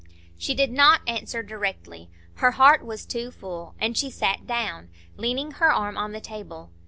She did not answer directly; her heart was too full, and she sat down, leaning her arm on the table.